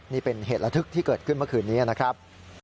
นี่เป็นเหตุระทึกที่เกิดขึ้นเมื่อคืนนี้นะครับ